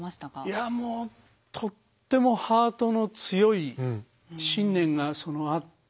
いやもうとってもハートの強い信念があって。